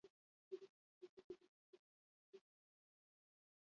Beste batzuek aldiz, aurkakoa argudiatzen dute.